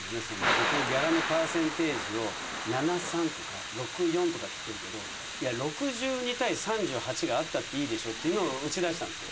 僕もギャラのパーセンテージを７：３とか６：４とか言ってるけど６２：３８があったっていいでしょというのを打ち出したんですよ。